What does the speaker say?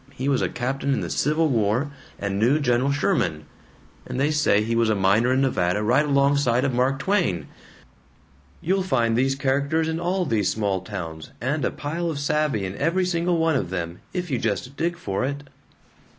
He was a captain in the Civil War, and knew General Sherman, and they say he was a miner in Nevada right alongside of Mark Twain. You'll find these characters in all these small towns, and a pile of savvy in every single one of them, if you just dig for it."